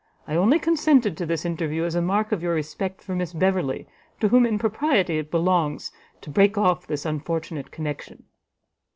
I only consented to this interview as a mark of your respect for Miss Beverley, to whom in propriety it belongs to break off this unfortunate connexion."